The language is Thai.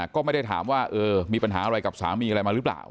ก็ไม่ได้ถามว่ามีปัญหาอะไรกับสามีอะไรมาหรือเปล่า